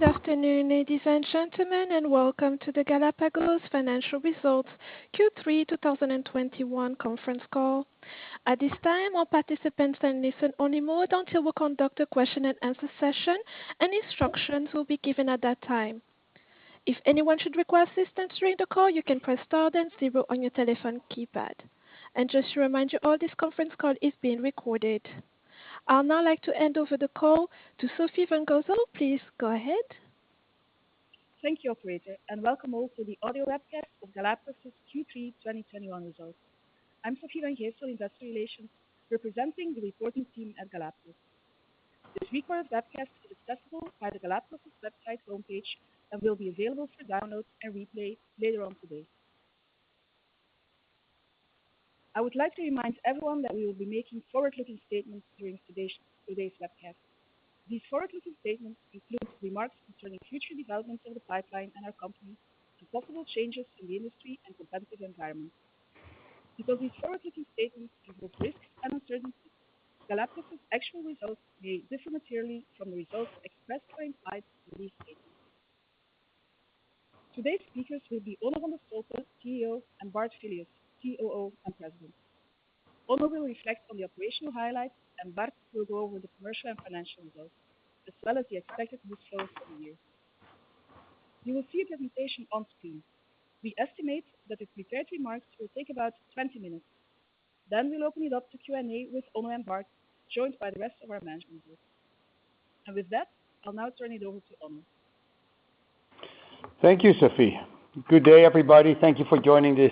Good afternoon, ladies and gentlemen, and welcome to the Galapagos Financial Results Q3 2021 conference call. At this time, all participants are in listen-only mode until we conduct a question and answer session, and instructions will be given at that time. If anyone should require assistance during the call, you can press star then zero on your telephone keypad. Just to remind you, all this conference call is being recorded. I'll now like to hand over the call to Sofie Van Gijsel. Please go ahead. Thank you, operator, and welcome all to the audio webcast of Galapagos's Q3 2021 results. I'm Sofie Van Gijsel, investor relations, representing the reporting team at Galapagos. This recorded webcast is accessible via the Galapagos website homepage and will be available for download and replay later on today. I would like to remind everyone that we will be making forward-looking statements during today's webcast. These forward-looking statements include remarks concerning future developments in the pipeline and our company and possible changes in the industry and competitive environment. Because these forward-looking statements involve risks and uncertainties, Galapagos's actual results may differ materially from the results expressed or implied in these statements. Today's speakers will be Onno van de Stolpe, CEO, and Bart Filius, COO and president. Onno will reflect on the operational highlights and Bart will go over the commercial and financial results, as well as the expected results for the year. You will see a presentation on screen. We estimate that the prepared remarks will take about 20 minutes. Then we'll open it up to Q&A with Onno and Bart, joined by the rest of our management group. With that, I'll now turn it over to Onno. Thank you, Sofie. Good day, everybody. Thank you for joining this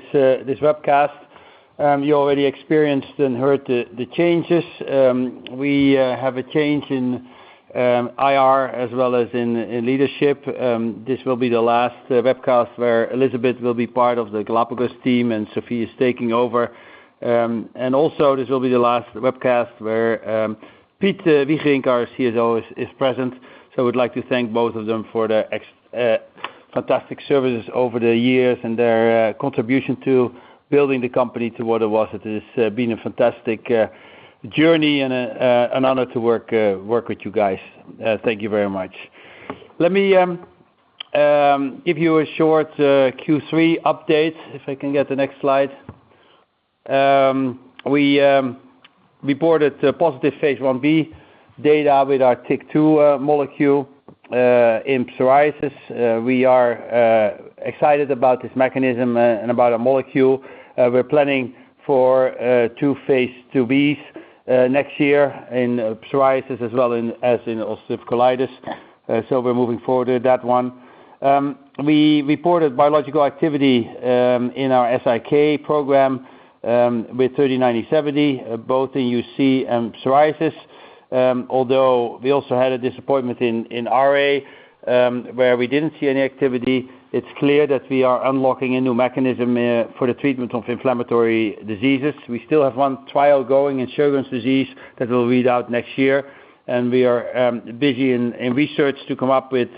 webcast. You already experienced and heard the changes. We have a change in IR as well as in leadership. This will be the last webcast where Elizabeth will be part of the Galapagos team and Sofie is taking over. This will be the last webcast where Piet Wigerinck, our CSO, is present. We'd like to thank both of them for their fantastic services over the years and their contribution to building the company to what it was. It has been a fantastic journey and an honor to work with you guys. Thank you very much. Let me give you a short Q3 update, if I can get the next slide. We reported positive phase Ib data with our TYK2 molecule in psoriasis. We are excited about this mechanism and about our molecule. We're planning for two phase IIbs next year in psoriasis as well as in ulcerative colitis. We're moving forward with that one. We reported biological activity in our SIK program with GLPG3970 both in UC and psoriasis. Although we also had a disappointment in RA where we didn't see any activity, it's clear that we are unlocking a new mechanism for the treatment of inflammatory diseases. We still have one trial going in Sjögren's disease that will read out next year, and we are busy in research to come up with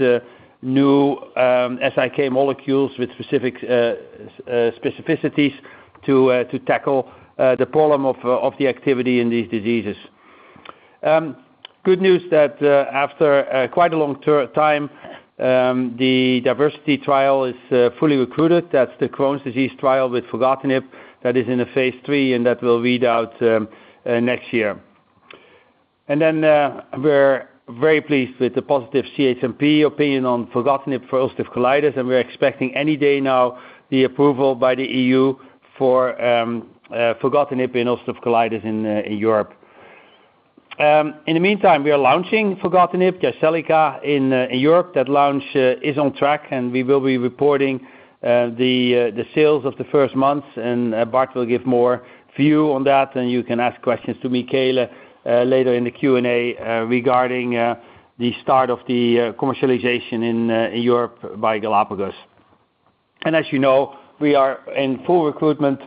new SIK molecules with specific specificities to tackle the problem of the activity in these diseases. Good news that after quite a long time, the DIVERSITY trial is fully recruited. That's the Crohn's disease trial with filgotinib that is in phase III, and that will read out next year. We're very pleased with the positive CHMP opinion on filgotinib for ulcerative colitis, and we're expecting any day now the approval by the EU for filgotinib in ulcerative colitis in Europe. In the meantime, we are launching filgotinib, Jyseleca, in Europe. That launch is on track, and we will be reporting the sales of the first months, and Bart will give more view on that. You can ask questions to Michele later in the Q&A regarding the start of the commercialization in Europe by Galapagos. As you know, we are in full recruitment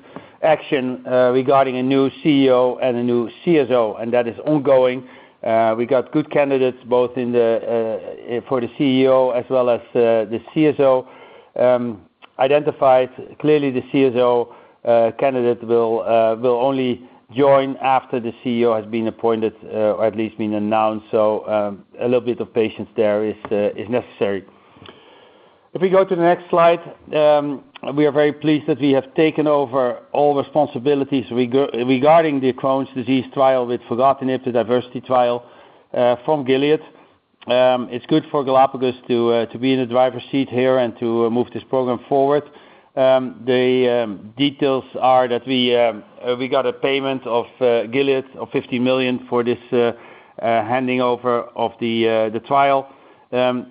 action regarding a new CEO and a new CSO, and that is ongoing. We got good candidates both for the CEO as well as the CSO identified. Clearly, the CSO candidate will only join after the CEO has been appointed or at least been announced. A little bit of patience there is necessary. If we go to the next slide, we are very pleased that we have taken over all responsibilities regarding the Crohn's disease trial with filgotinib, the DIVERSITY trial, from Gilead. It's good for Galapagos to be in the driver's seat here and to move this program forward. The details are that we got a payment from Gilead of 50 million for this handing over of the trial.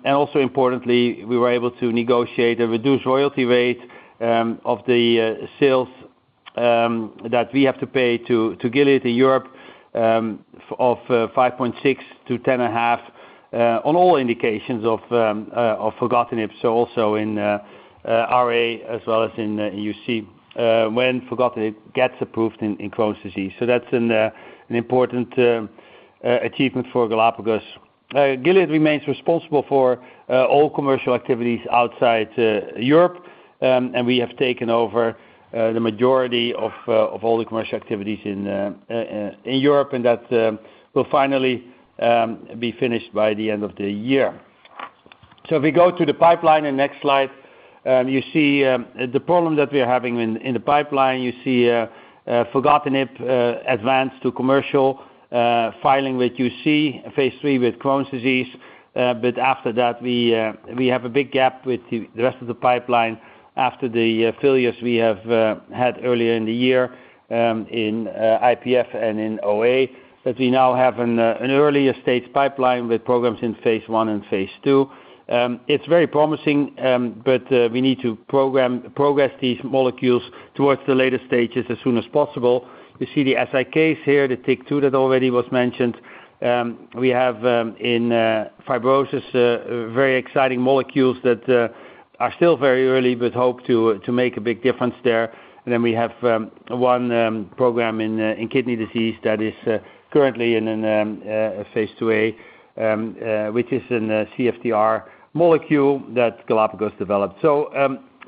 Also importantly, we were able to negotiate a reduced royalty rate of the sales that we have to pay to Gilead in Europe of 5.6%-10.5% on all indications of filgotinib, so also in RA as well as in UC when filgotinib gets approved in Crohn's disease. That's an important achievement for Galapagos. Gilead remains responsible for all commercial activities outside Europe. We have taken over the majority of all the commercial activities in Europe and that will finally be finished by the end of the year. If we go to the pipeline on the next slide, you see the problem that we're having in the pipeline. You see, filgotinib advance to commercial filing with UC phase III with Crohn's disease. After that we have a big gap with the rest of the pipeline after the failures we have had earlier in the year, in IPF and in OA. We now have an earlier stage pipeline with programs in phase I and phase II. It's very promising, but we need to progress these molecules towards the later stages as soon as possible. You see the SIKs here, the TYK2 that already was mentioned. We have in fibrosis very exciting molecules that are still very early but hope to make a big difference there. We have one program in kidney disease that is currently in a phase IIa, which is the CFTR molecule that Galapagos developed.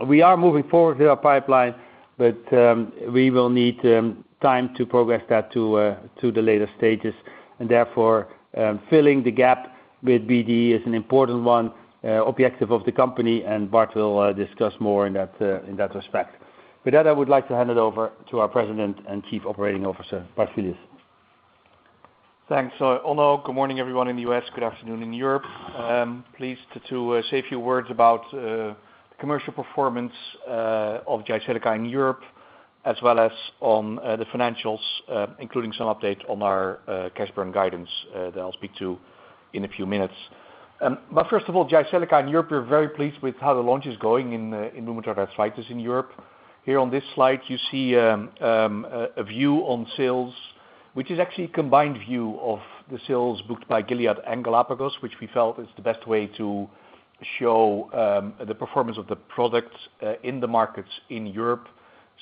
We are moving forward with our pipeline, but we will need time to progress that to the later stages and therefore filling the gap with BD is an important objective of the company and Bart will discuss more in that respect. With that, I would like to hand it over to our President and Chief Operating Officer, Bart Filius. Thanks, Onno. Good morning, everyone in the U.S. Good afternoon in Europe. Pleased to say a few words about commercial performance of Jyseleca in Europe, as well as on the financials, including some update on our cash burn guidance that I'll speak to in a few minutes. First of all, Jyseleca in Europe, we're very pleased with how the launch is going in rheumatoid arthritis in Europe. Here on this slide, you see a view on sales, which is actually a combined view of the sales booked by Gilead and Galapagos, which we felt is the best way to show the performance of the products in the markets in Europe.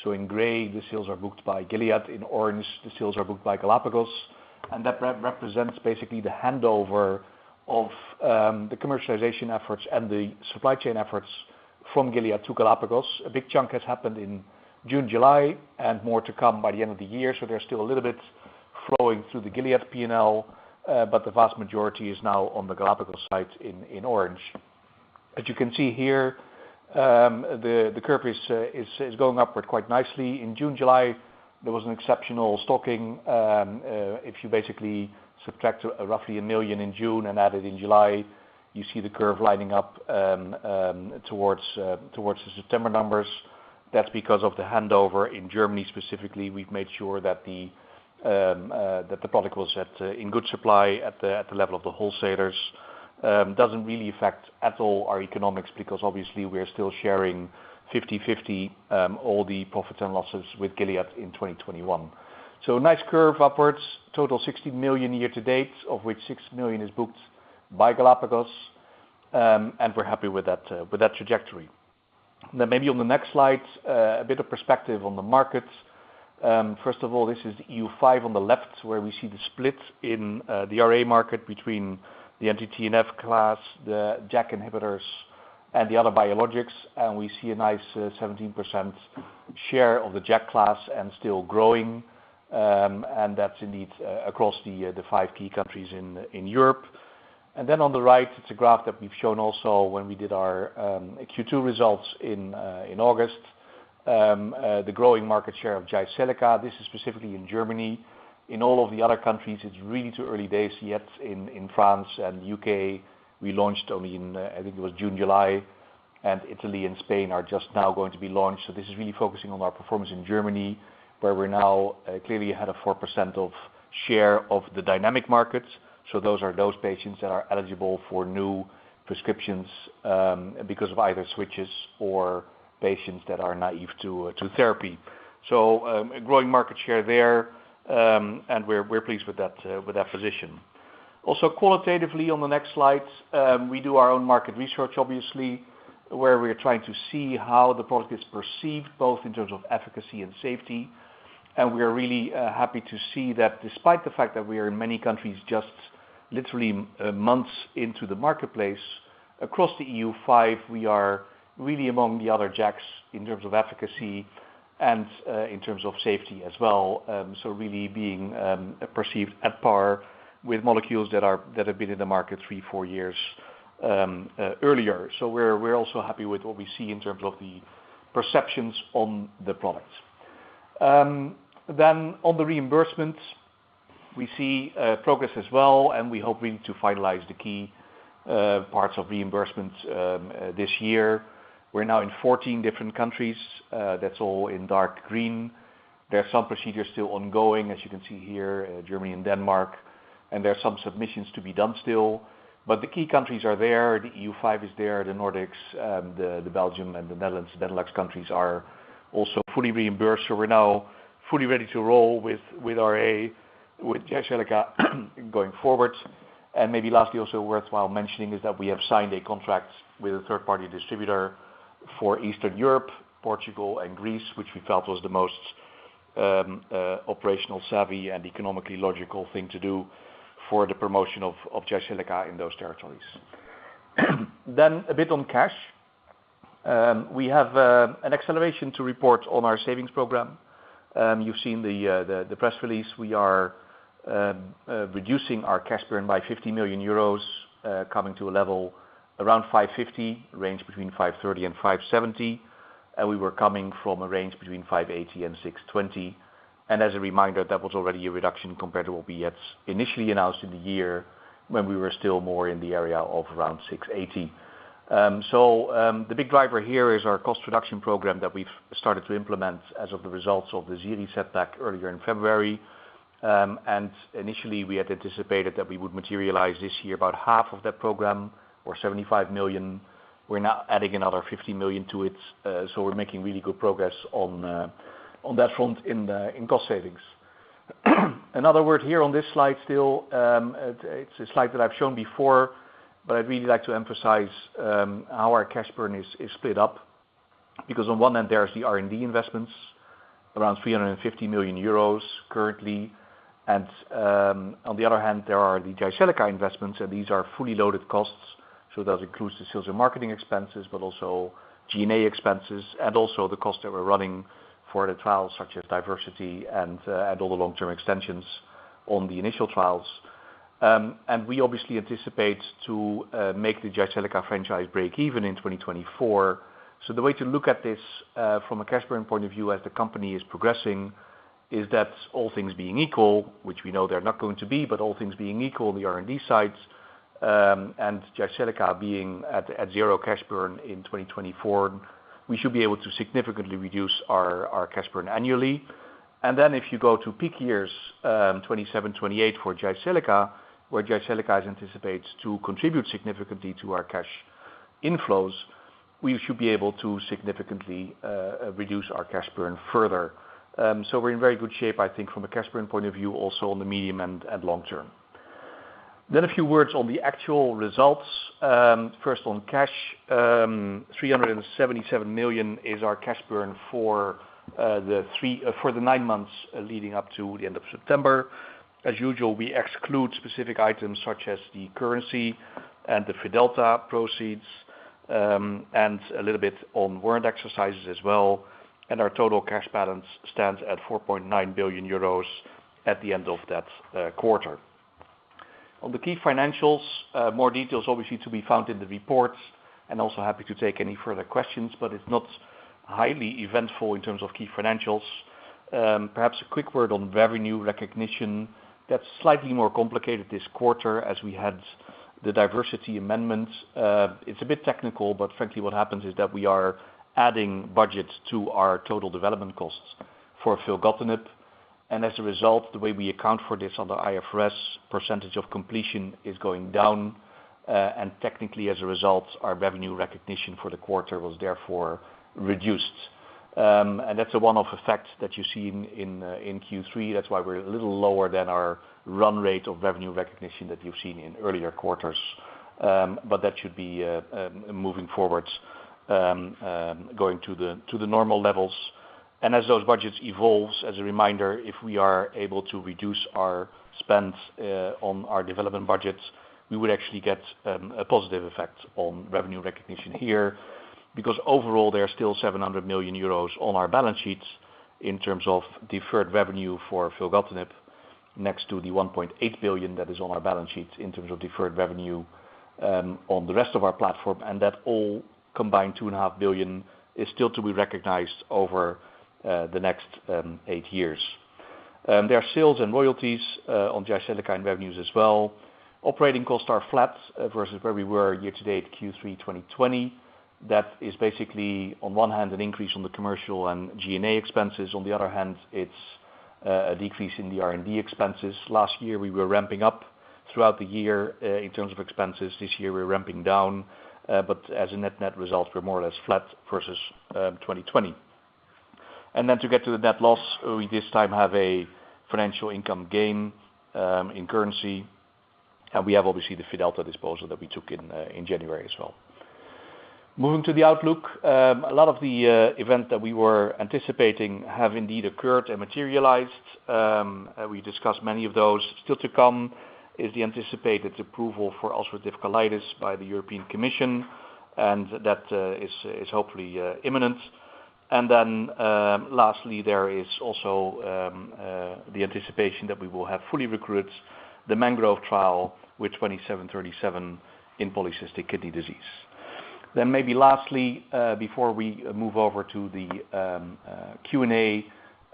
In gray, the sales are booked by Gilead. In orange, the sales are booked by Galapagos. That represents basically the handover of the commercialization efforts and the supply chain efforts from Gilead to Galapagos. A big chunk has happened in June, July, and more to come by the end of the year. So there's still a little bit flowing through the Gilead P&L, but the vast majority is now on the Galapagos side in orange. As you can see here, the curve is going upward quite nicely. In June, July, there was an exceptional stocking. If you basically subtract roughly 1 million in June and add it in July, you see the curve lining up towards the September numbers. That's because of the handover in Germany specifically. We've made sure that the product was in good supply at the level of the wholesalers. Doesn't really affect at all our economics because obviously we're still sharing 50/50 all the profit and losses with Gilead in 2021. Nice curve upwards, total 60 million year to date, of which 6 million is booked by Galapagos, and we're happy with that trajectory. Maybe on the next slide, a bit of perspective on the markets. First of all, this is EU5 on the left, where we see the split in the RA market between the anti-TNF class, the JAK inhibitors, and the other biologics. We see a nice 17% share of the JAK class and still growing. That's indeed across the five key countries in Europe. On the right, it's a graph that we've shown also when we did our Q2 results in August. The growing market share of Jyseleca. This is specifically in Germany. In all of the other countries, it's really too early days yet. In France and U.K., we launched only in, I think it was June, July, and Italy and Spain are just now going to be launched. This is really focusing on our performance in Germany, where we're now clearly ahead of 4% share of the dynamic markets. Those are the patients that are eligible for new prescriptions because of either switches or patients that are naive to therapy. A growing market share there, and we're pleased with that position. Also qualitatively on the next slide, we do our own market research obviously, where we are trying to see how the product is perceived, both in terms of efficacy and safety. We are really happy to see that despite the fact that we are in many countries just literally months into the marketplace, across the EU5, we are really among the other JAKs in terms of efficacy and in terms of safety as well. Really being perceived at par with molecules that have been in the market three, four years earlier. We're also happy with what we see in terms of the perceptions on the product. On the reimbursements, we see progress as well, and we're hoping to finalize the key parts of reimbursements this year. We're now in 14 different countries. That's all in dark green. There are some procedures still ongoing, as you can see here, Germany and Denmark, and there are some submissions to be done still. The key countries are there. The EU5 is there. The Nordics, Belgium and the Netherlands, Benelux countries are also fully reimbursed. We're now fully ready to roll with RA, with Jyseleca going forward. Maybe lastly, also worthwhile mentioning is that we have signed a contract with a third-party distributor for Eastern Europe, Portugal and Greece, which we felt was the most operational savvy and economically logical thing to do for the promotion of Jyseleca in those territories. A bit on cash. We have an acceleration to report on our savings program. You've seen the press release. We are reducing our cash burn by 50 million euros, coming to a level around 550 million, range between 530 million and 570 million. We were coming from a range between 580 million and 620 million. As a reminder, that was already a reduction compared to what we had initially announced in the year when we were still more in the area of around 680 million. The big driver here is our cost reduction program that we've started to implement as of the results of the ZIRI setback earlier in February. Initially, we had anticipated that we would materialize this year about half of that program, or 75 million. We're now adding another 50 million to it, so we're making really good progress on that front in cost savings. Another word here on this slide still, it's a slide that I've shown before, but I'd really like to emphasize how our cash burn is split up. Because on one end, there is the R&D investments, around 350 million euros currently. On the other hand, there are the Jyseleca investments, and these are fully loaded costs, so that includes the sales and marketing expenses, but also G&A expenses, and also the costs that we're running for the trials such as DIVERSITY and all the long-term extensions on the initial trials. We obviously anticipate to make the Jyseleca franchise break even in 2024. The way to look at this from a cash burn point of view as the company is progressing is that all things being equal, which we know they're not going to be, but all things being equal on the R&D side and Jyseleca being at zero cash burn in 2024, we should be able to significantly reduce our cash burn annually. If you go to peak years 2027, 2028 for Jyseleca, where Jyseleca is anticipated to contribute significantly to our cash inflows, we should be able to significantly reduce our cash burn further. We're in very good shape, I think, from a cash burn point of view, also in the medium and long term. A few words on the actual results. First on cash. 377 million is our cash burn for the nine months leading up to the end of September. As usual, we exclude specific items such as the currency and the Fidelta proceeds, and a little bit on warrant exercises as well. Our total cash balance stands at 4.9 billion euros at the end of that quarter. On the key financials, more details obviously to be found in the reports, and also happy to take any further questions, but it's not highly eventful in terms of key financials. Perhaps a quick word on revenue recognition. That's slightly more complicated this quarter as we had the DIVERSITY amendments. It's a bit technical, but frankly, what happens is that we are adding budgets to our total development costs for filgotinib. As a result, the way we account for this on the IFRS % of completion is going down. Technically, as a result, our revenue recognition for the quarter was therefore reduced. That's a one-off effect that you see in Q3. That's why we're a little lower than our run rate of revenue recognition that you've seen in earlier quarters. That should be moving forward going to the normal levels. As those budgets evolve, as a reminder, if we are able to reduce our spend on our development budgets, we would actually get a positive effect on revenue recognition here. Because overall, there are still 700 million euros on our balance sheets in terms of deferred revenue for filgotinib, next to the 1.8 billion that is on our balance sheets in terms of deferred revenue on the rest of our platform. That all combined 2.5 billion is still to be recognized over the next 8 years. There are sales and royalties on Jyseleca and revenues as well. Operating costs are flat versus where we were year-to-date Q3 2020. That is basically, on one hand, an increase on the commercial and G&A expenses. On the other hand, it's a decrease in the R&D expenses. Last year, we were ramping up throughout the year in terms of expenses. This year, we're ramping down. As a net-net result, we're more or less flat versus 2020. To get to the net loss, we this time have a financial income gain in currency. We have, obviously, the Fidelta disposal that we took in January as well. Moving to the outlook, a lot of the events that we were anticipating have indeed occurred and materialized. We discussed many of those. Still to come is the anticipated approval for ulcerative colitis by the European Commission, and that is hopefully imminent. Lastly, there is also the anticipation that we will have fully recruited the MANGROVE trial with GLPG2737 in polycystic kidney disease. Maybe lastly, before we move over to the Q&A,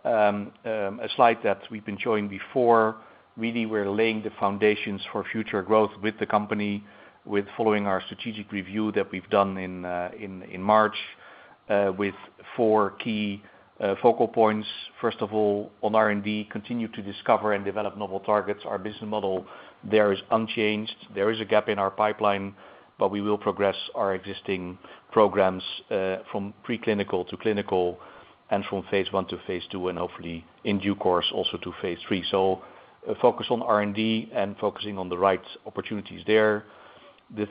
a slide that we've been showing before. Really, we're laying the foundations for future growth with the company following our strategic review that we've done in March with four key focal points. First of all, on R&D, continue to discover and develop novel targets. Our business model there is unchanged. There is a gap in our pipeline, but we will progress our existing programs from pre-clinical to clinical and from phase I to phase II, and hopefully in due course, also to phase III. A focus on R&D and focusing on the right opportunities there. The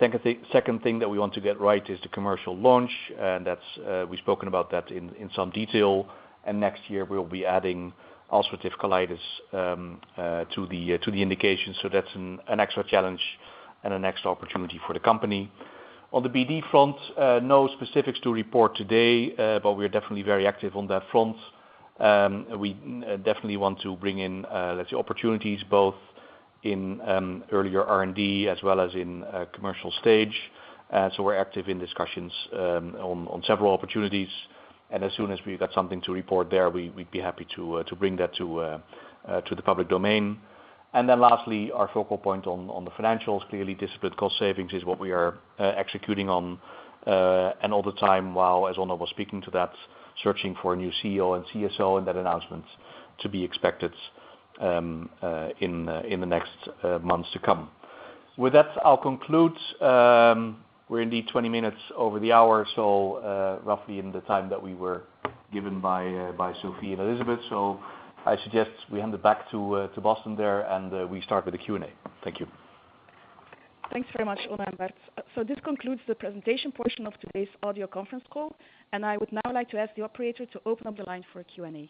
second thing that we want to get right is the commercial launch. That's, we've spoken about that in some detail. Next year we'll be adding ulcerative colitis to the indications. That's an extra challenge and a next opportunity for the company. On the BD front, no specifics to report today, but we are definitely very active on that front. We definitely want to bring in, let's say opportunities both in earlier R&D as well as in commercial stage. We're active in discussions on several opportunities. As soon as we got something to report there, we'd be happy to bring that to the public domain. Lastly, our focal point on the financials. Clearly, disciplined cost savings is what we are executing on. All the time, while as Onno was speaking to that, searching for a new CEO and CSO and that announcement to be expected in the next months to come. With that, I'll conclude. We're indeed 20 minutes over the hour, so roughly in the time that we were given by Sofie and Elizabeth. I suggest we hand it back to Boston there, and we start with the Q&A. Thank you. Thanks very much, Onno and Bart. This concludes the presentation portion of today's audio conference call. I would now like to ask the operator to open up the line for Q&A.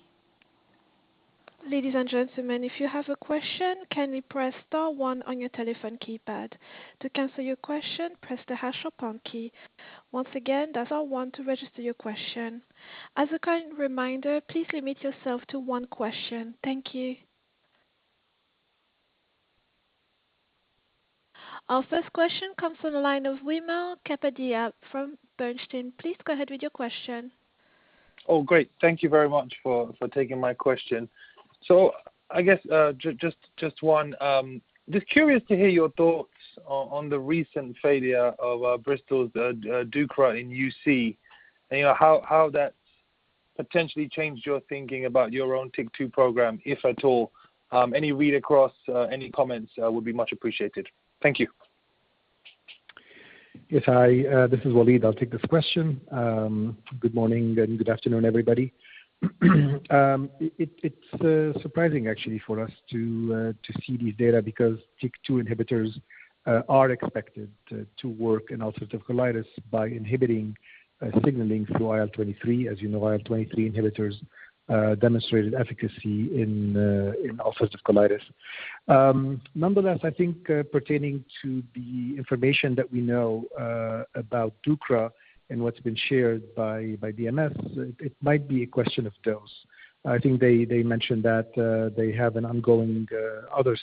Ladies and gentlemen, if you have a question, kindly press star one on your telephone keypad. To cancel your question, press the hash or pound key. Once again, dial one to register your question. As a kind reminder, please limit yourself to one question. Thank you. Our first question comes from the line of Wimal Kapadia from Bernstein. Please go ahead with your question. Oh, great. Thank you very much for taking my question. I guess just one, just curious to hear your thoughts on the recent failure of Bristol's deucravacitinib in UC, and you know, how that's potentially changed your thinking about your own TYK2 program, if at all. Any read across, any comments would be much appreciated. Thank you. Yes. Hi, this is Walid. I'll take this question. Good morning and good afternoon, everybody. It's surprising actually for us to see these data because TYK2 inhibitors are expected to work in ulcerative colitis by inhibiting signaling through IL-23. As you know, IL-23 inhibitors demonstrated efficacy in ulcerative colitis. Nonetheless, I think pertaining to the information that we know about Ducrey and what's been shared by BMS, it might be a question of dose. I think they mentioned that they have another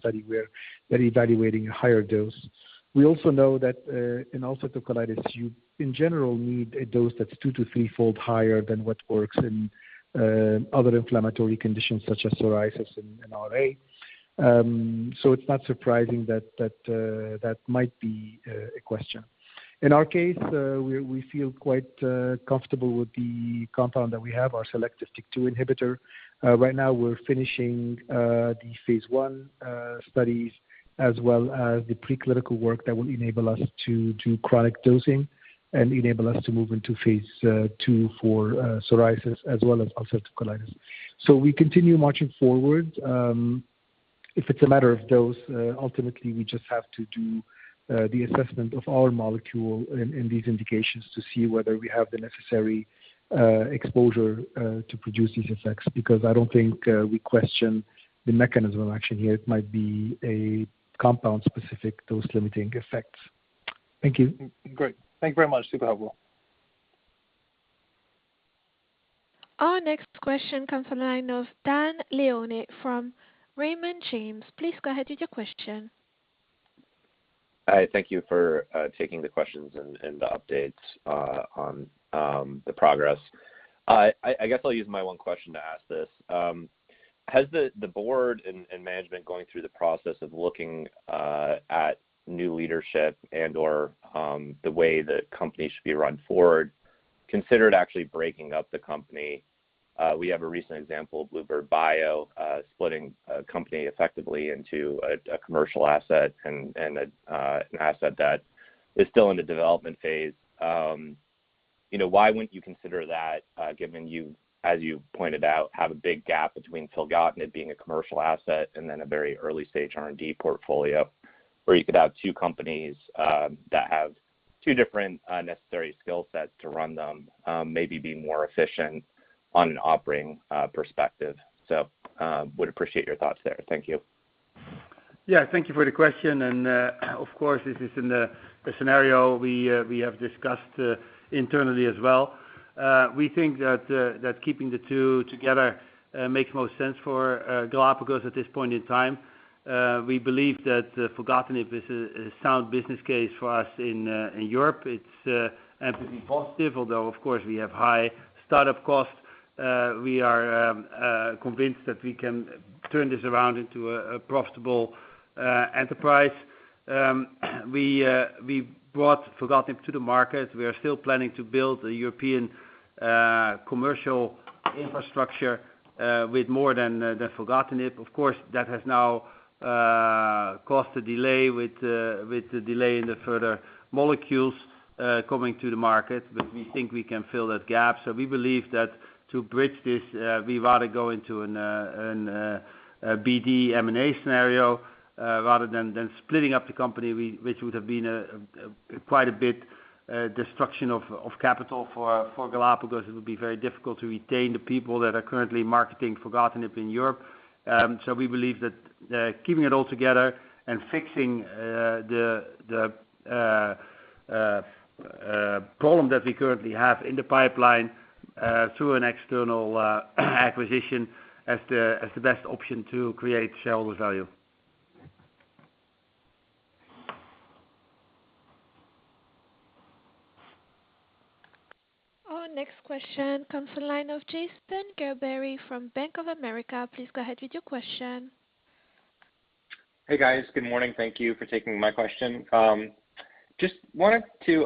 study where they're evaluating a higher dose. We also know that in ulcerative colitis, you in general need a dose that's two- to three-fold higher than what works in other inflammatory conditions such as psoriasis and RA. It's not surprising that might be a question. In our case, we feel quite comfortable with the compound that we have, our selective TYK2 inhibitor. Right now we're finishing the phase I studies as well as the preclinical work that will enable us to do chronic dosing and enable us to move into phase II for psoriasis as well as ulcerative colitis. We continue marching forward. If it's a matter of dose, ultimately we just have to do the assessment of our molecule in these indications to see whether we have the necessary exposure to produce these effects, because I don't think we question the mechanism of action here. It might be a compound-specific dose-limiting effects. Thank you. Great. Thank you very much. Super helpful. Our next question comes from the line of Dane Leone from Raymond James. Please go ahead with your question. Hi. Thank you for taking the questions and the updates on the progress. I guess I'll use my one question to ask this. Has the board and management going through the process of looking at new leadership and/or the way the company should be run forward, considered actually breaking up the company? We have a recent example of bluebird bio splitting a company effectively into a commercial asset and an asset that is still in the development phase. You know, why wouldn't you consider that, given that you, as you pointed out, have a big gap between filgotinib being a commercial asset and then a very early-stage R&D portfolio, where you could have two companies that have two different necessary skill sets to run them, maybe be more efficient on an operating perspective. Would appreciate your thoughts there. Thank you. Yeah. Thank you for the question. Of course, this is in the scenario we have discussed internally as well. We think that keeping the two together makes most sense for Galapagos at this point in time. We believe that filgotinib is a sound business case for us in Europe. It's NPV positive, although of course, we have high startup costs. We are convinced that we can turn this around into a profitable enterprise. We brought filgotinib to the market. We are still planning to build the European commercial. Infrastructure with more than the filgotinib. Of course, that has now caused a delay with the delay in the further molecules coming to the market. We think we can fill that gap. We believe that to bridge this, we'd rather go into a BD M&A scenario rather than splitting up the company, which would have been quite a bit of destruction of capital for Galapagos. It would be very difficult to retain the people that are currently marketing filgotinib in Europe. We believe that keeping it all together and fixing the problem that we currently have in the pipeline through an external acquisition as the best option to create shareholder value. Our next question comes from the line of Jason Gerberry from Bank of America. Please go ahead with your question. Hey, guys. Good morning. Thank you for taking my question. Just wanted to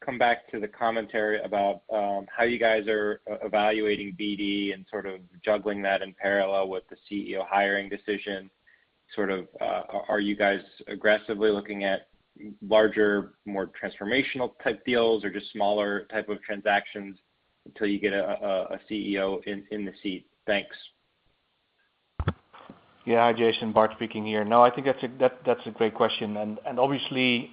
come back to the commentary about how you guys are evaluating BD and sort of juggling that in parallel with the CEO hiring decision. Sort of, are you guys aggressively looking at larger, more transformational type deals or just smaller type of transactions until you get a CEO in the seat? Thanks. Yeah. Hi, Jason. Bart speaking here. No, I think that's a great question. Obviously,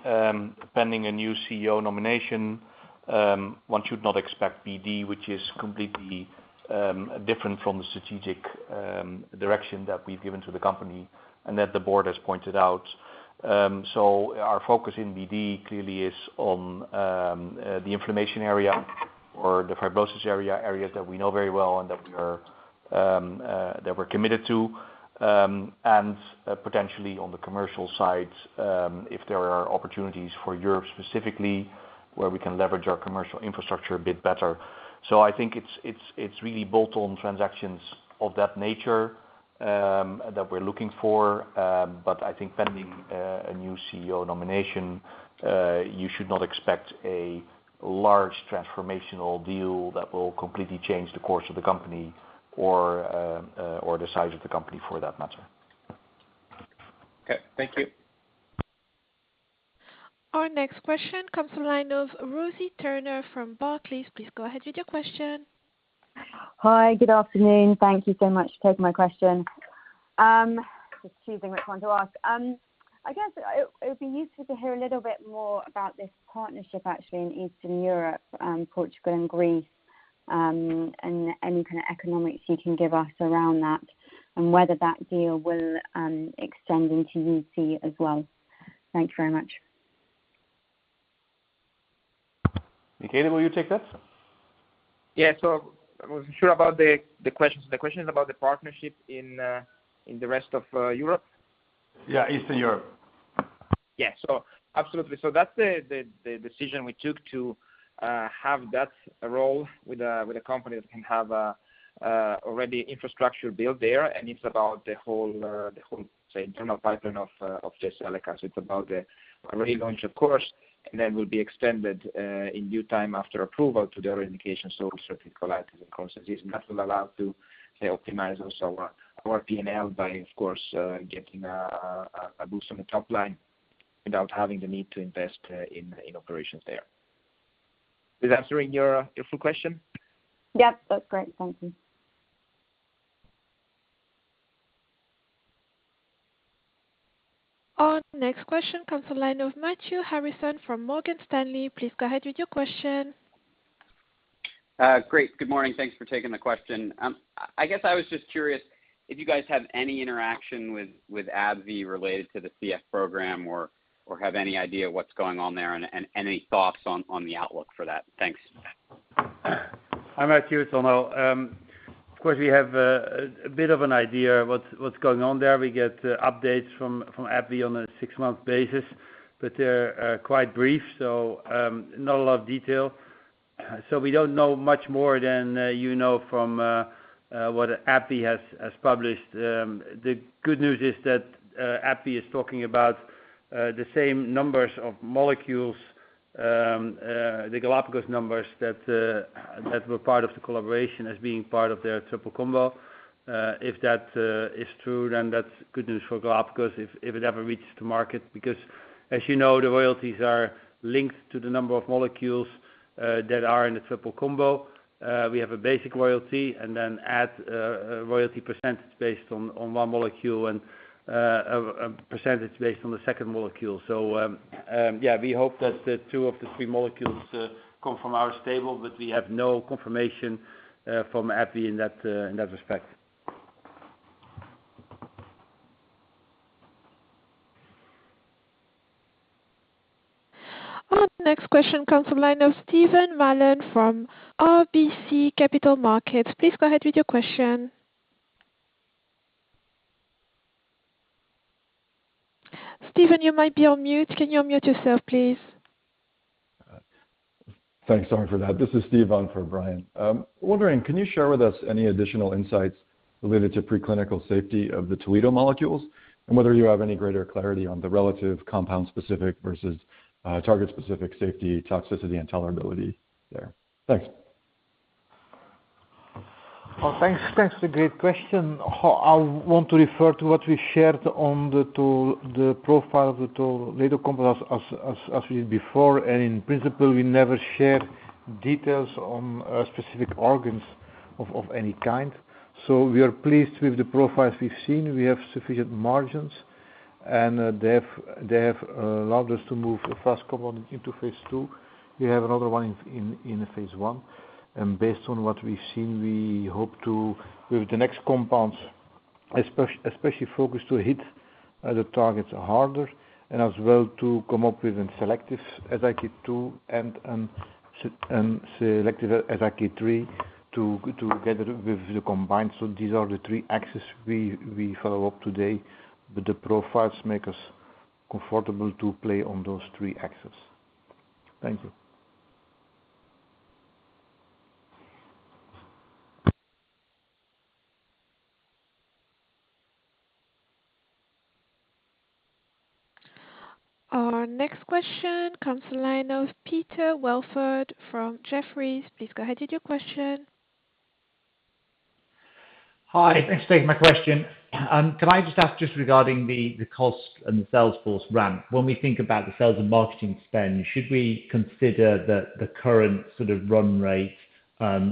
pending a new CEO nomination, one should not expect BD, which is completely different from the strategic direction that we've given to the company and that the board has pointed out. Our focus in BD clearly is on the inflammation area or the fibrosis area, areas that we know very well and that we're committed to. Potentially on the commercial side, if there are opportunities for Europe specifically, where we can leverage our commercial infrastructure a bit better. I think it's really bolt-on transactions of that nature that we're looking for. I think pending a new CEO nomination, you should not expect a large transformational deal that will completely change the course of the company or the size of the company for that matter. Okay. Thank you. Our next question comes from the line of Rosie Turner from Barclays. Please go ahead with your question. Hi. Good afternoon. Thank you so much for taking my question. Just choosing which one to ask. I guess it would be useful to hear a little bit more about this partnership, actually, in Eastern Europe, Portugal and Greece, and any kind of economics you can give us around that and whether that deal will extend into UC as well. Thanks very much. Michele, will you take that? Yeah. I wasn't sure about the question. The question is about the partnership in the rest of Europe? Yeah, Eastern Europe. Yeah. Absolutely. That's the decision we took to have that role with a company that can have already infrastructure built there. It's about the whole internal pipeline of Jyseleca. It's about the relaunch, of course, and then will be extended in due time after approval to their indication. Ulcerative colitis, of course, and that will allow us to optimize also our P&L by, of course, getting a boost on the top line without having the need to invest in operations there. Is that answering your full question? Yep, that's great. Thank you. Our next question comes from the line of Matthew Harrison from Morgan Stanley. Please go ahead with your question. Great. Good morning. Thanks for taking the question. I guess I was just curious if you guys have any interaction with AbbVie related to the CF program or have any idea what's going on there and any thoughts on the outlook for that. Thanks. Hi, Matthew. It's Onno. Of course, we have a bit of an idea what's going on there. We get updates from AbbVie on a six-month basis, but they're quite brief, so not a lot of detail. We don't know much more than you know from what AbbVie has published. The good news is that AbbVie is talking about the same numbers of molecules, the Galapagos numbers that were part of the collaboration as being part of their triple combo. If that is true, then that's good news for Galapagos if it ever reaches to market, because as you know, the royalties are linked to the number of molecules that are in the triple combo. We have a basic royalty and then add a royalty % based on one molecule and a % based on the second molecule. Yeah, we hope that the two of the three molecules come from our stable, but we have no confirmation from AbbVie in that respect. Our next question comes from the line of Stephen Mallon from RBC Capital Markets. Please go ahead with your question. Steven, you might be on mute. Can you unmute yourself, please? Thanks. Sorry for that. This is Stephen for Brian. Wondering, can you share with us any additional insights related to preclinical safety of the TOLEDO molecules and whether you have any greater clarity on the relative compound specific versus target specific safety, toxicity and tolerability there? Thanks. Oh, thanks. That's a great question. I want to refer to what we shared on the profile of the TOLEDO compounds as we did before. In principle, we never share details on specific organs of any kind. We are pleased with the profiles we've seen. We have sufficient margins, and they have allowed us to move a first component into phase II. We have another one in phase I. Based on what we've seen, we hope to, with the next compounds, especially focused to hit the targets harder and as well to come up with a selective JAK2 and selective JAK3 together with the combined. These are the three axes we follow up today, but the profiles make us comfortable to play on those three axes. Thank you. Our next question comes from the line of Peter Welford from Jefferies. Please go ahead with your question. Hi. Thanks for taking my question. Can I just ask regarding the cost and the sales force ramp. When we think about the sales and marketing spend, should we consider the current sort of run rate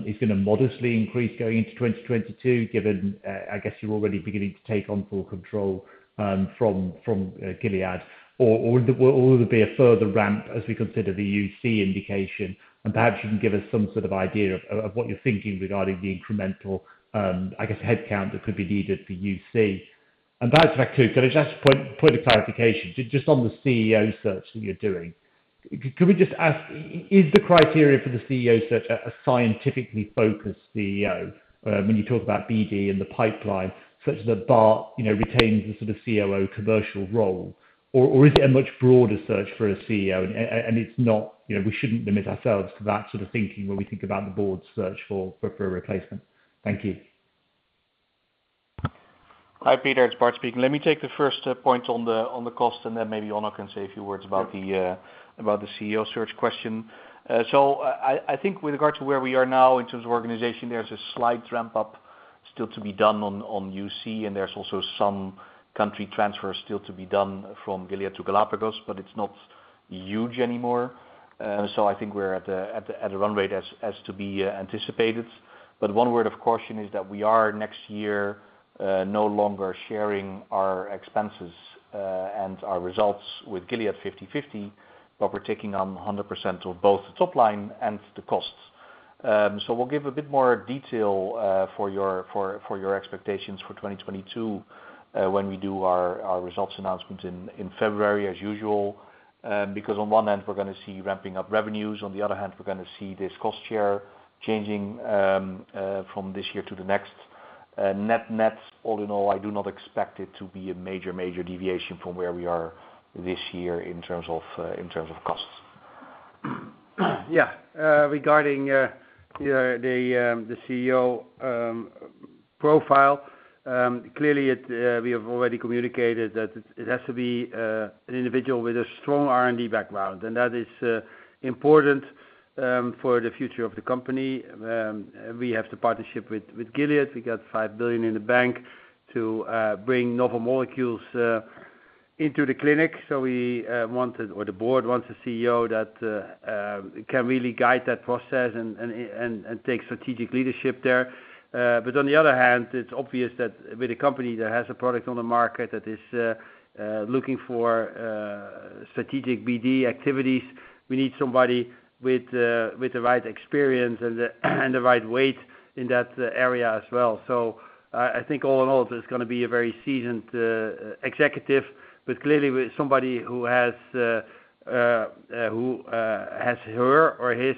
is gonna modestly increase going into 2022, given I guess you're already beginning to take on full control from Gilead? Or would there be a further ramp as we consider the UC indication? Perhaps you can give us some sort of idea of what you're thinking regarding the incremental headcount that could be needed for UC. Perhaps I could just point of clarification. Just on the CEO search that you're doing, could we just ask, is the criteria for the CEO search a scientifically focused CEO, when you talk about BD and the pipeline, such that Bart, you know, retains the sort of COO commercial role? Or is it a much broader search for a CEO and it's not, you know, we shouldn't limit ourselves to that sort of thinking when we think about the board's search for a replacement. Thank you. Hi, Peter, it's Bart speaking. Let me take the first point on the cost, and then maybe Onno can say a few words about the CEO search question. I think with regard to where we are now in terms of organization, there's a slight ramp up still to be done on UC, and there's also some country transfers still to be done from Gilead to Galapagos, but it's not huge anymore. I think we're at a run rate as to be anticipated. One word of caution is that we are next year no longer sharing our expenses and our results with Gilead 50/50, but we're taking on 100% of both the top line and the costs. We'll give a bit more detail for your expectations for 2022 when we do our results announcement in February as usual. Because on one end, we're gonna see ramping up revenues, on the other hand, we're gonna see this cost share changing from this year to the next. Net, all in all, I do not expect it to be a major deviation from where we are this year in terms of costs. Regarding the CEO profile, clearly, we have already communicated that it has to be an individual with a strong R&D background, and that is important for the future of the company. We have the partnership with Gilead. We got 5 billion in the bank to bring novel molecules into the clinic. The board wants a CEO that can really guide that process and take strategic leadership there. On the other hand, it's obvious that with a company that has a product on the market that is looking for strategic BD activities, we need somebody with the right experience and the right weight in that area as well. I think all in all, it's gonna be a very seasoned executive, but clearly with somebody who has her or his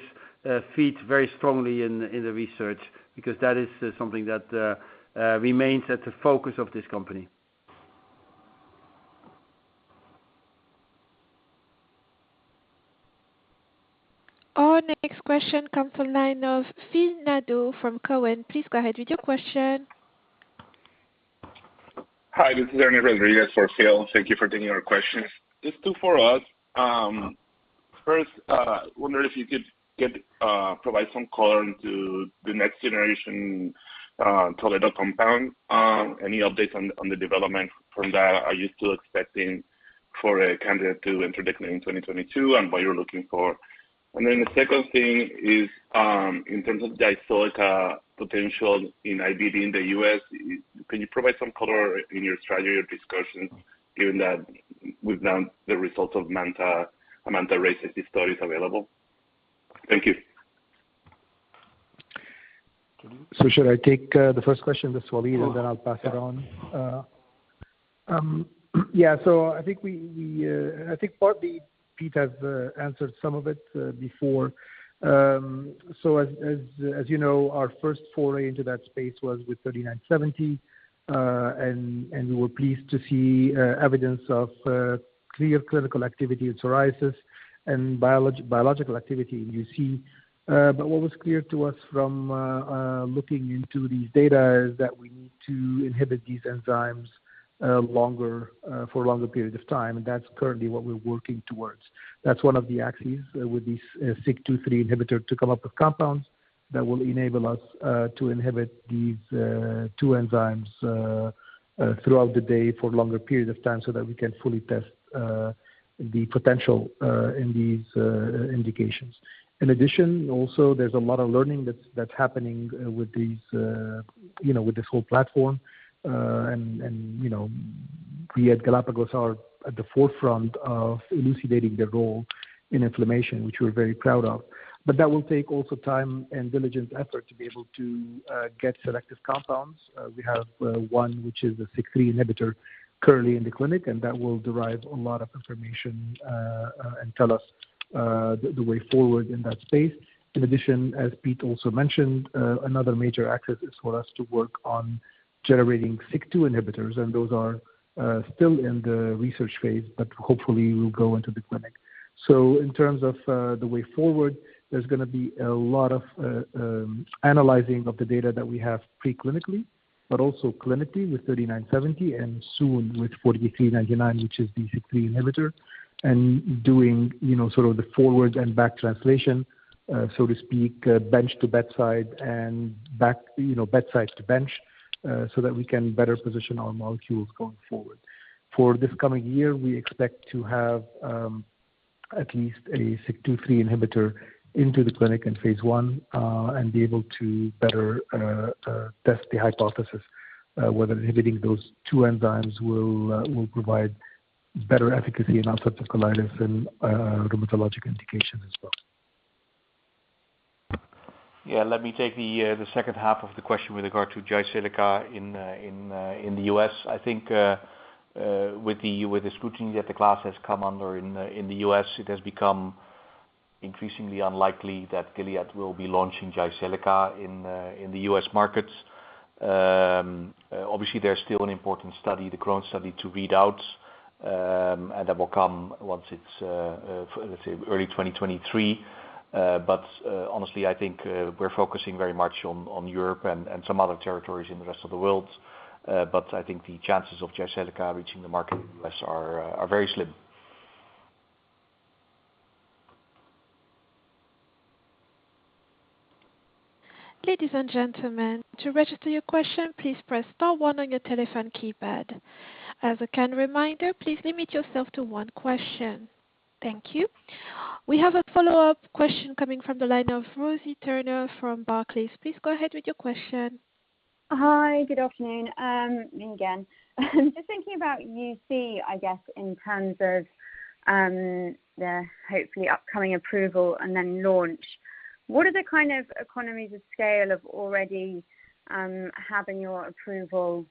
feet very strongly in the research because that is something that remains at the focus of this company. Our next question comes from the line of Phil Nadeau from Cowen. Please go ahead with your question. Hi, this is Ernie Rodriguez for Phil. Thank you for taking our questions. It's two for us. First, wonder if you could provide some color into the next generation Toledo compound. Any updates on the development from that? Are you still expecting for a candidate to enter clinic in 2022, and what you're looking for? Then the second thing is, in terms of the Jyseleca potential in IBD in the U.S., can you provide some color in your strategy or discussion given that we've learned the results of MANTA and MANTA-RAy study is available? Thank you. Should I take the first question, this Walid, and then I'll pass it on? Yeah. I think partly Piet has answered some of it before. As you know, our first foray into that space was with GLPG3970. We were pleased to see evidence of clear clinical activity in psoriasis and biological activity in UC. But what was clear to us from looking into these data is that we need to inhibit these enzymes longer for longer periods of time, and that's currently what we're working towards. That's one of the axes with these SIK2/3 inhibitor to come up with compounds that will enable us to inhibit these two enzymes throughout the day for longer period of time so that we can fully test the potential in these indications. In addition, also, there's a lot of learning that's happening with these you know with this whole platform. you know, we at Galapagos are at the forefront of elucidating the role in inflammation, which we're very proud of. That will take also time and diligent effort to be able to get selective compounds. We have one, which is a SIK3 inhibitor currently in the clinic, and that will derive a lot of information and tell us the way forward in that space. In addition, as Pete also mentioned, another major axis is for us to work on generating SIK2 inhibitors, and those are still in the research phase, but hopefully will go into the clinic. In terms of the way forward, there's gonna be a lot of analyzing of the data that we have pre-clinically, but also clinically with GLPG3970 and soon with GLPG4399, which is the SIK3 inhibitor. Doing, you know, sort of the forward and back translation, so to speak, bench to bedside and back, you know, bedside to bench, so that we can better position our molecules going forward. For this coming year, we expect to have at least a SIK2/3 inhibitor into the clinic in phase I, and be able to better test the hypothesis whether inhibiting those two enzymes will provide better efficacy in ulcerative colitis and rheumatologic indication as well. Yeah. Let me take the second half of the question with regard to Jyseleca in the U.S. I think with the scrutiny that the class has come under in the U.S., it has become increasingly unlikely that Gilead will be launching Jyseleca in the U.S. markets. Obviously, there's still an important study, the Crohn's study to read out, and that will come once it's let's say early 2023. Honestly, I think we're focusing very much on Europe and some other territories in the rest of the world. I think the chances of Jyseleca reaching the market in the U.S. are very slim. Ladies and gentlemen, to register your question, please press star one on your telephone keypad. As a kind reminder, please limit yourself to one question. Thank you. We have a follow-up question coming from the line of Rosie Turner from Barclays. Please go ahead with your question. Hi. Good afternoon. Me again. Just thinking about UC, I guess, in terms of the hopefully upcoming approval and then launch. What are the kind of economies of scale of already having your approval?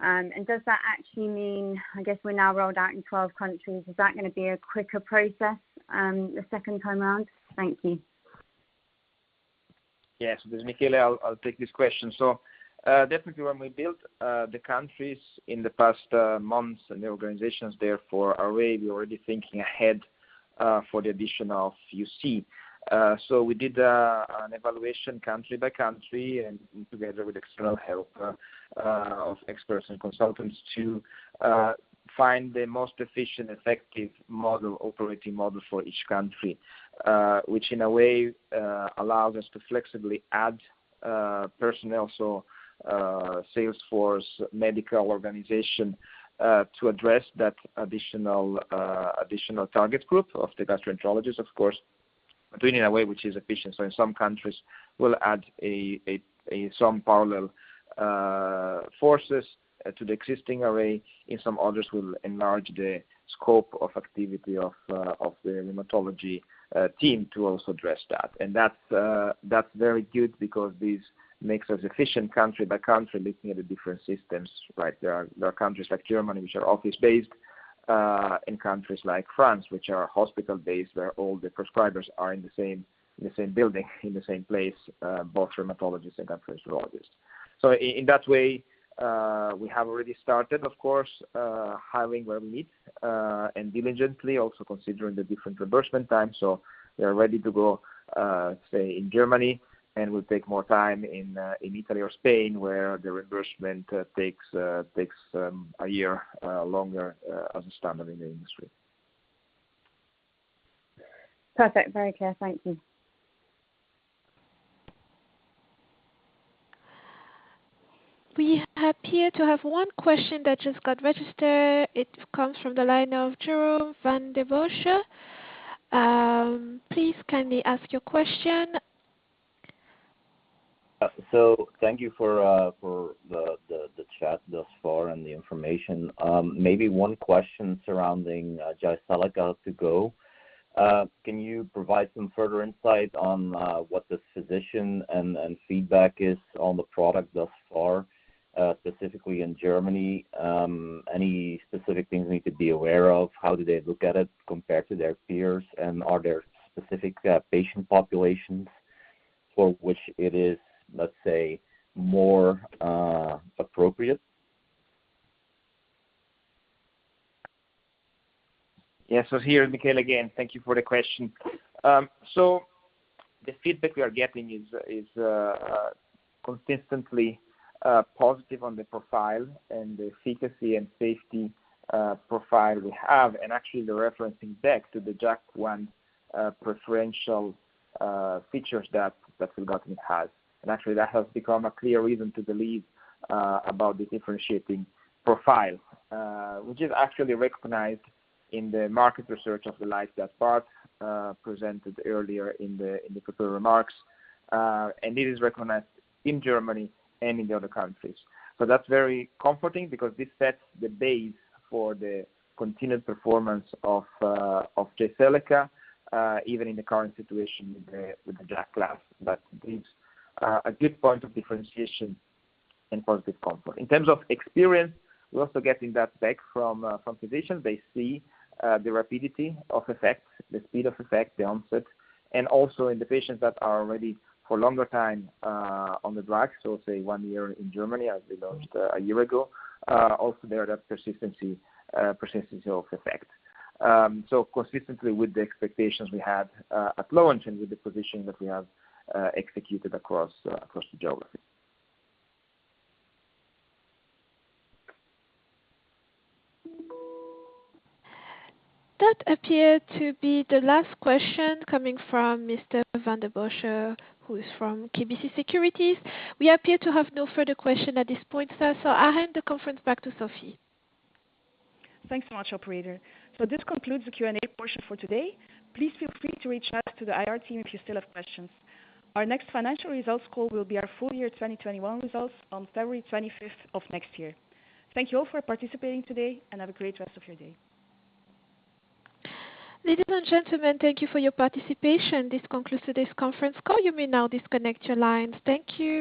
Does that actually mean, I guess, we're now rolled out in 12 countries, is that gonna be a quicker process, the second time around? Thank you. Yes. This is Michele. I'll take this question. Definitely when we built the countries in the past months and the organizations there for RA, we're already thinking ahead for the addition of UC. We did an evaluation country by country and together with external help of experts and consultants to find the most efficient, effective operating model for each country, which in a way allowed us to flexibly add personnel, sales force, medical organization to address that additional target group of the gastroenterologists, of course, doing it in a way which is efficient. In some countries, we'll add some parallel forces to the existing RA. In some others, we'll enlarge the scope of activity of the rheumatology team to also address that. That's very good because this makes us efficient country by country, looking at the different systems, right? There are countries like Germany, which are office-based, and countries like France, which are hospital-based, where all the prescribers are in the same building, in the same place, both rheumatologists and gastroenterologists. In that way, we have already started, of course, hiring where we need, and diligently also considering the different reimbursement times. We are ready to go, say, in Germany, and we'll take more time in Italy or Spain, where the reimbursement takes a year longer, as a standard in the industry. Perfect. Very clear. Thank you. We appear to have one question that just got registered. It comes from the line of Jeroen Van den Bossche. Please kindly ask your question. Thank you for the chat thus far and the information. Maybe one question surrounding Jyseleca too. Can you provide some further insight on what the physician and feedback is on the product thus far, specifically in Germany? Any specific things we need to be aware of? How do they look at it compared to their peers? Are there specific patient populations For which it is, let's say, more appropriate. Yes, here, Michele, again, thank you for the question. The feedback we are getting is consistently positive on the profile and the efficacy and safety profile we have. Actually the referencing back to the JAK1 preferential features that filgotinib has. Actually, that has become a clear reason to believe about the differentiating profile which is actually recognized in the market research of the likes that Bart presented earlier in the prepared remarks. It is recognized in Germany and in the other countries. That's very comforting because this sets the base for the continued performance of Jyseleca even in the current situation with the JAK class. It's a good point of differentiation and positive component. In terms of experience, we're also getting that back from physicians. They see the rapidity of effects, the speed of effect, the onset, and also in the patients that are already for longer time on the drug. Say one year in Germany, as we launched a year ago. Also there, that persistency of effect. Consistently with the expectations we had at launch and with the positioning that we have executed across the geography. That appeared to be the last question coming from Mr. Van den Bossche, who is from KBC Securities. We appear to have no further question at this point, sir, so I hand the conference back to Sophie. Thanks so much, operator. This concludes the Q&A portion for today. Please feel free to reach out to the IR team if you still have questions. Our next financial results call will be our full year 2021 results on February 25th of next year. Thank you all for participating today, and have a great rest of your day. Ladies and gentlemen, thank you for your participation. This concludes today's conference call. You may now disconnect your lines. Thank you.